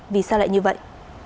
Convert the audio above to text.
vì sao lại chẳng hạn